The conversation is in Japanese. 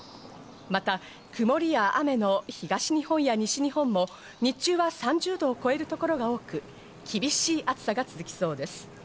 また曇りや雨の東日本や西日本も日中は３０度を超える所が多く、厳しい暑さが続きそうです。